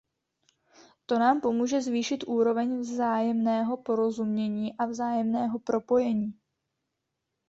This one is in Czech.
To nám pomůže zvýšit úroveň vzájemného porozumění a vzájemného propojení.